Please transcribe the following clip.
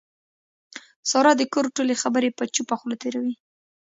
ساره د کور ټولې خبرې په چوپه خوله تېروي.